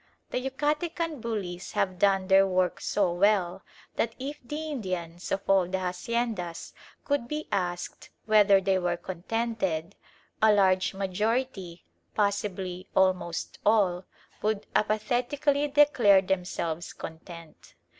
The Yucatecan bullies have done their work so well that if the Indians of all the haciendas could be asked whether they were contented, a large majority, possibly almost all, would apathetically declare themselves content.